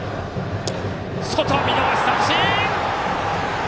見逃し三振！